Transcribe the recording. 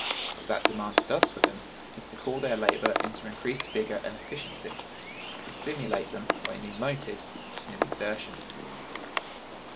What that demand does for them is to call their labor into increased vigor and efficiency; to stimulate them, by new motives, to new exertions.